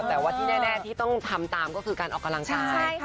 แต่ว่าที่แน่ที่ต้องทำตามก็คือการออกกำลังกาย